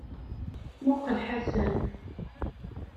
Muqel Ḥasan.